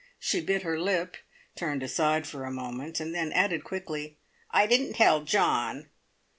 She bit her lip, turned aside for a moment, then added quickly, "I didn't tell John!"